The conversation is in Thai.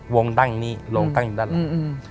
วงตั้งอย่างนี้โรงตั้งอยู่ด้านล่าง